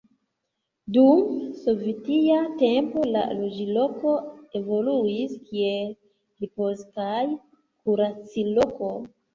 Dum sovetia tempo la loĝloko evoluis kiel ripoz- kaj kurac-loko.